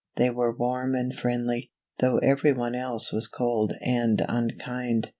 They were warm and friendly, though every one else was cold and unkind.